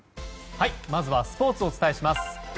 まずはスポーツをお伝えします。